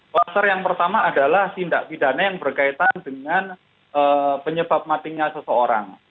kluster yang pertama adalah tindak pidana yang berkaitan dengan penyebab matinya seseorang